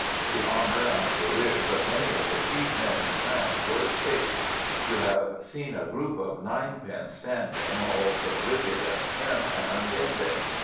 The honour and careers of many of the chief men in France were at stake. You have seen a group of nine pins standing, all so rigid, and prim, and unbending.